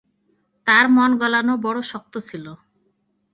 তাঁর মন গলানো বড়ো শক্ত ছিল।